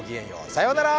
さようなら。